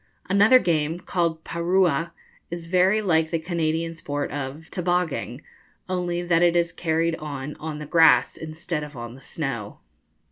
Another game, called parua, is very like the Canadian sport of 'tobogging,' only that it is carried on on the grass instead of on the snow.